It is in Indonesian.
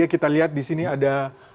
jadi kita lihat di sini ada